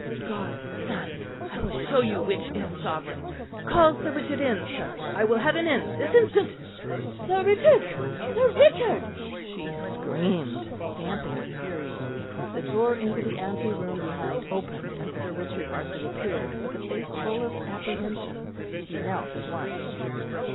God's Son! I will show you which is sovereign. Call Sir Richard in, sir; I will have him in this instant. Sir Richard, Sir Richard!" she screamed, stamping with fury. The door into the ante room behind opened, and Sir Richard Barkley appeared, with a face full of apprehension. He knelt at once.